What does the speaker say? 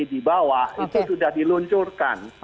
di bawah itu sudah diluncurkan